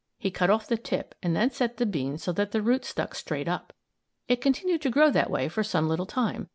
He cut off the tip and then set the bean so that the root stuck straight up. It continued to grow that way for some little time.